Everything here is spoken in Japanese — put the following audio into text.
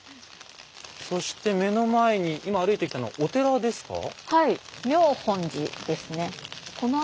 そして目の前に今歩いてきたのはお寺ですか？